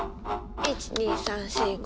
１・２・３・４・５。